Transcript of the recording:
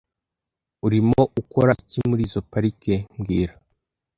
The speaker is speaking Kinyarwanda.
Urimo ukora iki muri izoi parike mbwira